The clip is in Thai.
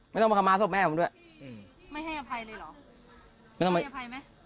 ไม่ต้องมาคำมาศพแม่ผมด้วยอืมไม่ให้อภัยเลยเหรอไม่ต้องให้อภัยไหม